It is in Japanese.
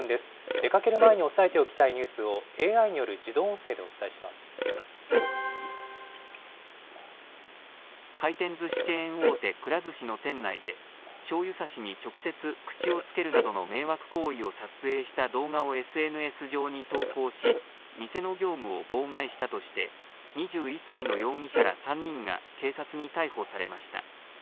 出かける前に押さえておきたいニュースをＡＩによる自動音声でお回転ずしチェーン大手、くら寿司の店内で、しょうゆさしに直接、口をつけるなどの迷惑行為を撮影された動画をＳＮＳ上に投稿し、店の業務を妨害したとして、２１歳の容疑者ら３人が警察に逮捕されました。